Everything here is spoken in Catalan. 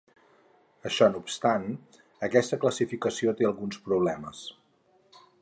Això no obstant, aquesta classificació té alguns problemes.